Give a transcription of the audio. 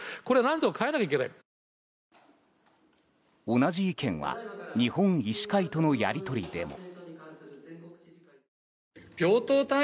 同じ意見は日本医師会とのやり取りでも。